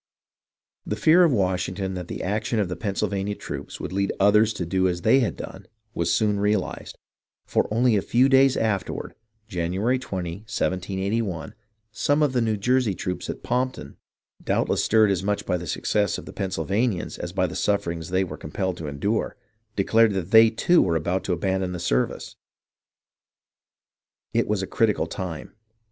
The fear of Washington that the action of the Pennsyl vania troops would lead others to do as they had done, was soon realized, for only a few days afterward (January 20, 178 1) some of the New Jersey troops at Pompton, doubtless stirred as much by the success of the Pennsylvanians as by the sufferings they were compelled to endure, declared that they, too, were about to abandon the service. It was a critical time.